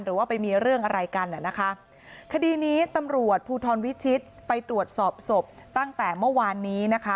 หรือว่าไปมีเรื่องอะไรกันอ่ะนะคะคดีนี้ตำรวจภูทรวิชิตไปตรวจสอบศพตั้งแต่เมื่อวานนี้นะคะ